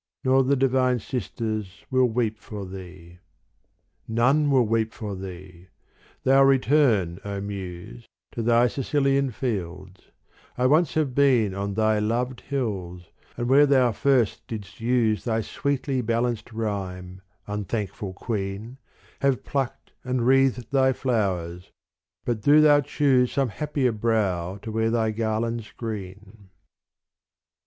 Nor the divine sisters will weep for thee. None will weep for thee : thou return, O Muse, To thy Sicilian fields : I once have been On thy loved hills, and where thou first didst use Thy sweetly balanced rhyme, unthankful queen, Have plucked and wreathed thy flowers : but do thou choose Some happier brow to wear thy garlands green.